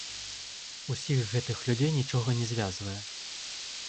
Усіх гэтых людзей нічога не звязвае.